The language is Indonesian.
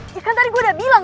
iya kan tadi gue udah bilang